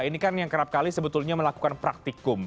ini kan yang kerap kali sebetulnya melakukan praktikum